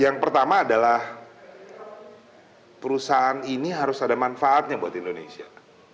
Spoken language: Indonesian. yang pertama adalah perusahaan ini harus ada manfaatnya buat indonesia